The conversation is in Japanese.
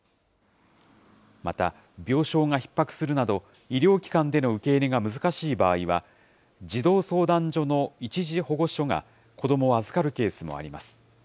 また、病床がひっ迫するなど、医療機関での受け入れが難しい場合は、児童相談所の一時保護所が子どもを預かるケースもあります。